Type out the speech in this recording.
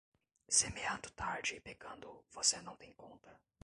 Semeando tarde e pegando, você não tem conta.